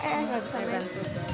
eh gak bisa men